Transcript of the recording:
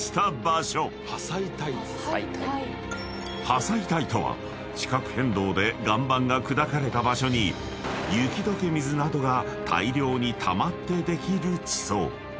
［破砕帯とは地殻変動で岩盤が砕かれた場所に雪解け水などが大量にたまってできる地層］